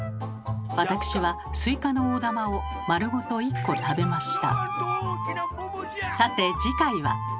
わたくしはスイカの大玉を丸ごと１個食べました。